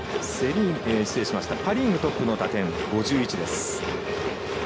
パ・リーグトップの打点５１です。